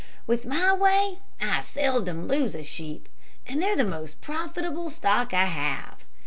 "With my way I seldom lose a sheep, and they're the most profitable stock I have.